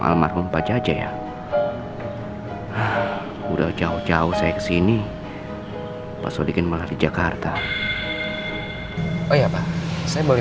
almarhum pak jajah ya udah jauh jauh saya kesini pak sodikin malah di jakarta oh ya pak saya boleh